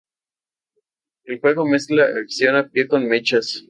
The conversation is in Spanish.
El juego mezcla acción a pie con mechas.